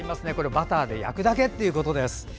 バターで焼くだけということです。